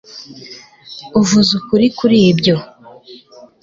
uvuze ukuri kuri ibyo